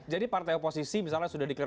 jadi partai oposisi misalnya sudah di clear